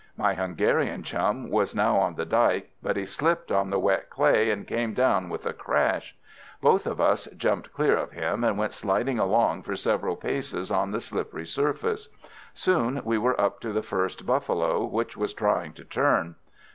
My Hungarian chum was now on the dyke, but he slipped on the wet clay, and came down with a crash. Both of us jumped clear of him, and went sliding along for several paces on the slippery surface. Soon we were up to the first buffalo, which was trying to turn.